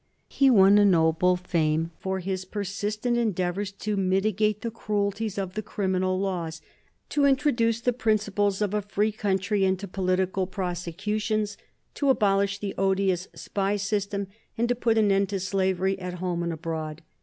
He won a noble fame by his persistent endeavors to mitigate the cruelties of the criminal laws, to introduce the principles of a free country into political prosecutions, to abolish the odious spy system, and to put an end to slavery at home and abroad.